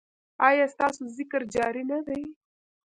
ایا ستاسو ذکر جاری نه دی؟